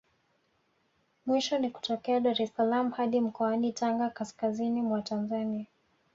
Mwisho ni kutokea Dar es salaam hadi mkoani Tanga kaskazini mwa Tanzania